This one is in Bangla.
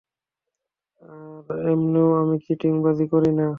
আর, এমনে ও, আমি চিটিং বাজি করি না।